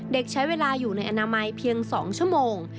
ใช้เวลาอยู่ในอนามัยเพียง๒ชั่วโมง